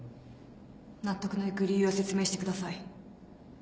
納得のいく理由を説明してください。